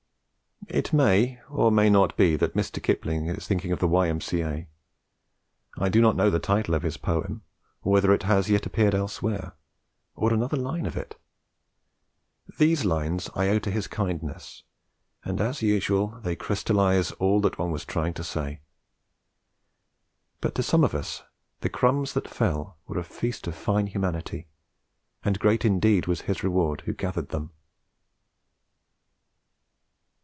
It may or may not be that Mr. Kipling is thinking of the Y.M.C.A. I do not know the title of his poem, or whether it has yet appeared elsewhere, or another line of it. These lines I owe to his kindness, and as usual they crystallise all that one was trying to say. But to some of us the crumbs that fell were a feast of fine humanity, and great indeed was his reward who gathered them.